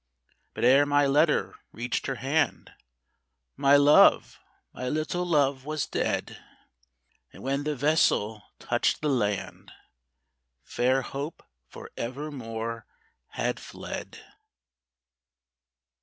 But ere my letter reach'd her hand, My love, my little love, was dead, And when the vessel touch'd the land, Fair hope for evermore had fled.